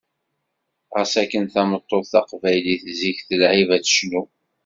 Ɣas akken tameṭṭut taqbaylit zik d lɛib ad tecnu.